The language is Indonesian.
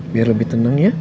biar lebih tenang ya